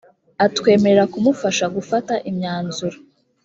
atwemerera kumufasha gufata imyanzuro